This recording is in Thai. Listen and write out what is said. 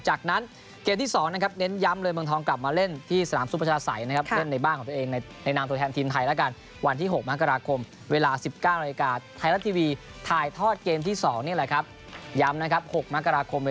จากนั้นเกมที่๒นะครับเน้นย้ำเลยเมืองทองกลับมาเล่นที่สนามซุประชาษัยนะครับ